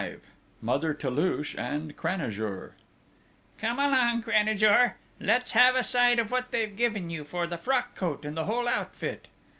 V MOTHER TOULOUCHE AND CRANAJOUR "Come along, Cranajour! Let's have a sight of what they've given you for the frock coat and the whole outfit!"